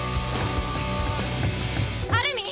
アルミン！